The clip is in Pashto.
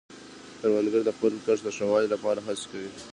کروندګر د خپل کښت د ښه والي لپاره هڅې کوي